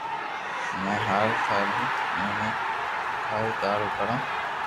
۾ ھال ٿاري ايويي خاتر دارو ڪرو